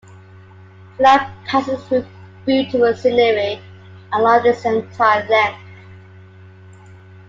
The line passes through beautiful scenery along its entire length.